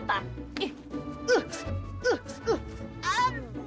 gak ada yang kena